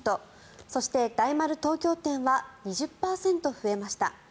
そして、大丸東京店は２０％増えました。